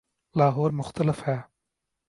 لاہور مختلف ہے۔